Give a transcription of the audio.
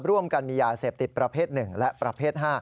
ร่วมกันมียาเสพติดประเภท๑และประเภท๕